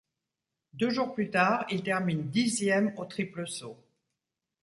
Deux jours plus tard, il termine dixième au triple saut.